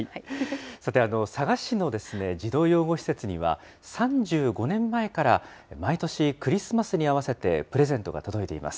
さて、佐賀市の児童養護施設には、３５年前から、毎年、クリスマスに併せてプレゼントが届いています。